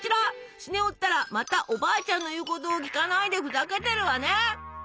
スネ夫ったらまたおばあちゃんの言うことを聞かないでふざけてるわね。